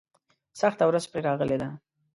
سخته ورځ پرې راغلې ده.